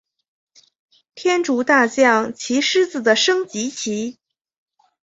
天竺大将棋狮子的升级棋。